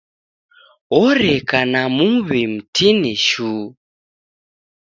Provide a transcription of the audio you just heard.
Oreka na muw'i mtini shuu.